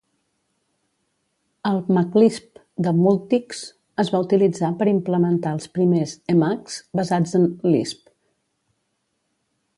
El MACLISP de MULTICS es va utilitzar per implementar els primers EMACS basats en LISP.